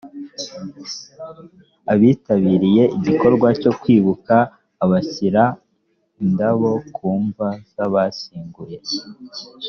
abitabiriye igikorwa cyo kwibuka bashyira indabo ku mva z abashyinguye